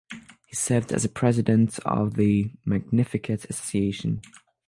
He served as president of the Magnificat Association.